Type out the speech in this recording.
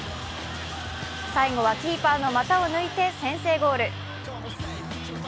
最後はキーパーの股を抜いて先制ゴール。